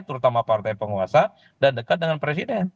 terutama partai penguasa dan dekat dengan presiden